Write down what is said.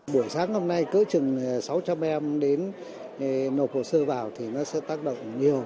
buổi sáng năm nay cỡ chừng sáu trăm linh em đến nộp hồ sơ vào thì nó sẽ tác động nhiều